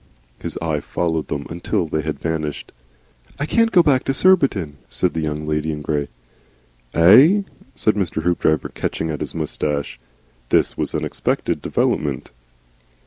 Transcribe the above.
His eye followed them until they had vanished. "I can't go back to Surbiton," said the Young Lady in Grey. "EIGH?" said Mr. Hoopdriver, catching at his moustache. This was an unexpected development.